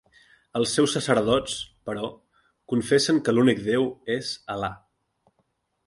Els seus sacerdots, però, confessen que l'únic déu és Al·là.